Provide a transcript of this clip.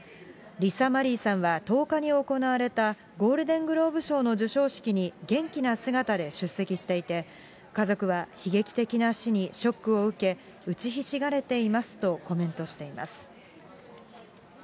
リサ・マリーさんは１０日に行われたゴールデングローブ賞の授賞式に元気な姿で出席していて、家族は悲劇的な死にショックを受け、打ちひしがれていますとコメントしています。